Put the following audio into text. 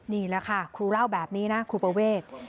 นี่แหละค่ะครูเล่าแบบนี้นะครูประเวท